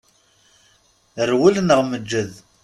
Rwel neɣ meǧǧed.